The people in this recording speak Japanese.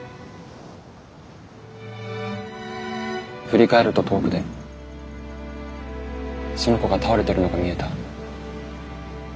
振り返ると遠くでその子が倒れてるのが見えた。